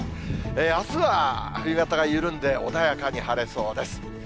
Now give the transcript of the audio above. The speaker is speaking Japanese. あすは冬型が緩んで穏やかに晴れそうです。